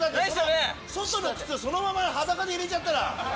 外の靴そのまま裸で入れちゃったら。